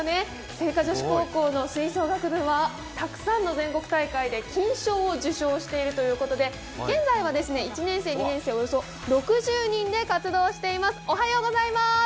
精華女子高校の吹奏楽部はたくさんの全国大会で金賞を受賞しているということで現在は１年生、２年生、およそ６０人で活動しています。